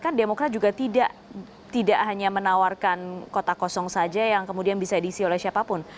kan demokrat juga tidak hanya menawarkan kota kosong saja yang kemudian bisa diisi oleh siapapun